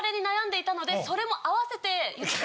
それも合わせて。